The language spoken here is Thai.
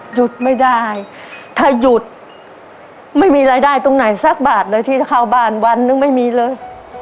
หยุดไม่ได้ถ้าหยุดไม่มีรายได้ตรงไหนสักบาทเลยที่จะเข้าบ้านวันนึงไม่มีเลย